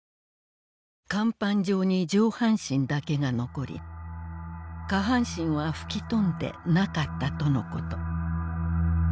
『甲板上に上半身だけがのこり下半身は吹き飛んでなかったとのこと』